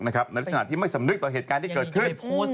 ในลักษณะที่ไม่สำนึกต่อเหตุการณ์ที่เกิดขึ้น